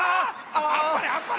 「あっぱれあっぱれ」。